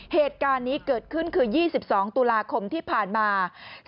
เหตุการณ์นี้เกิดขึ้นคือ๒๒ตุลาคมที่ผ่านมา